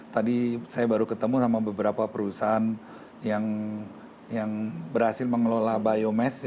tadi saya baru ketemu sama beberapa perusahaan yang berhasil mengelola biomes